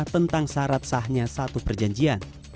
tentang syarat sahnya satu perjanjian